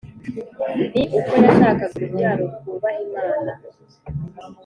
Ni uko yashakaga urubyaro rwubaha Imana